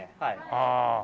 ああ。